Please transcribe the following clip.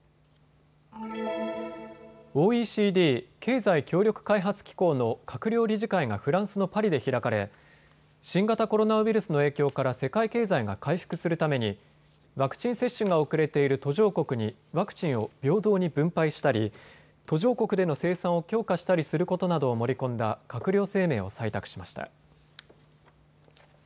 ＯＥＣＤ・経済協力開発機構の閣僚理事会がフランスのパリで開かれ新型コロナウイルスの影響から世界経済が回復するためにワクチン接種が遅れている途上国にワクチンを平等に分配したり途上国での生産を強化したりすることなどを盛り込んだ閣僚声明を採択しました。